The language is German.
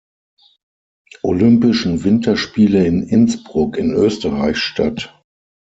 Olympischen Winterspiele in Innsbruck in Österreich statt.